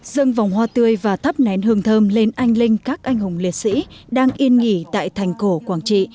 dâng vòng hoa tươi và thắp nén hương thơm lên anh linh các anh hùng liệt sĩ đang yên nghỉ tại thành cổ quảng trị